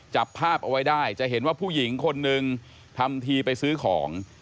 จับภาพเอาไว้ได้จะเห็นว่าผู้หญิงคนนึงทำทีไปซื้อของ